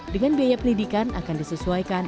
dengan biaya pendidikan akan disesuaikan